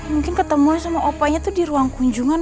mungkin ketemu sama opanya itu di ruang kunjungan